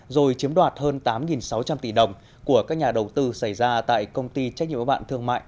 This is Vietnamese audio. rồi chiếm đoạt hơn tám sáu trăm linh tỷ đồng của các nhà đầu tư xảy ra tại công ty trách nhiệm ưu hạn thương mại